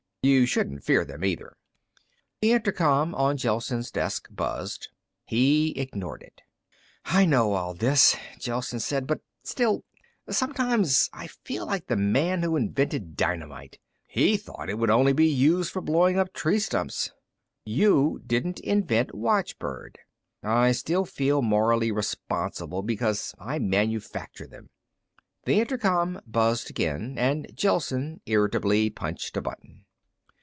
You shouldn't fear them, either." The intercom on Gelsen's desk buzzed. He ignored it. "I know all this," Gelsen said. "But, still, sometimes I feel like the man who invented dynamite. He thought it would only be used for blowing up tree stumps." "You didn't invent watchbird." "I still feel morally responsible because I manufacture them." The intercom buzzed again, and Gelsen irritably punched a button.